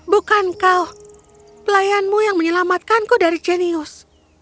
bukan kau pelayanmu yang menyelamatkanku dari jenius